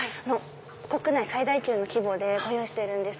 国内最大級の規模でご用意しているんです。